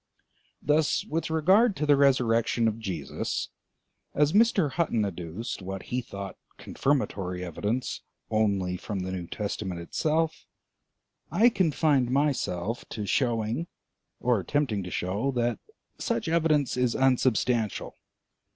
Thus with regard to the resurrection of Jesus, as Mr. Hutton adduced what he thought confirmatory evidence only from the New Testament itself, I confined myself to showing or attempting to show that such evidence is unsubstantial.